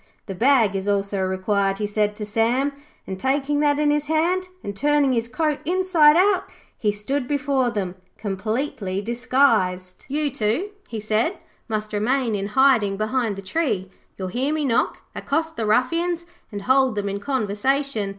'The bag is also required,' he said to Sam, and taking that in his hand and turning his coat inside out, he stood before them completely disguised. 'You two,' he said, 'must remain in hiding behind the tree. You will hear me knock, accost the ruffians and hold them in conversation.